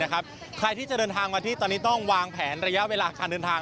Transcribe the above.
ใครที่จะเดินทางมาที่ตอนนี้ต้องวางแผนระยะเวลาการเดินทาง